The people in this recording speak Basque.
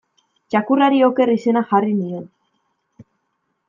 Txakurrari Oker izena jarri nion.